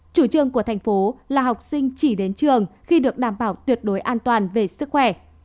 chủ trương của thành phố là học sinh chỉ đến trường khi được đảm bảo tuyệt đối an toàn về sức khỏe